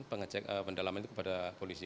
pengecek pendalaman itu kepada polisi